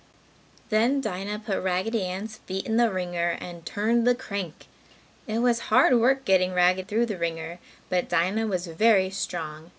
Then Dinah put Raggedy Ann's feet in the wringer and turned the crank. It was hard work getting Raggedy through the wringer, but Dinah was very strong.